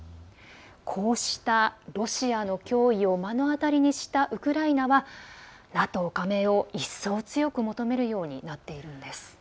こうしたロシアの脅威を目の当たりにしたウクライナはＮＡＴＯ加盟を一層強く求めるようになっているんです。